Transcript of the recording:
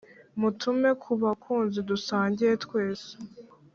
Mutume ku bakunzi dusangiye twese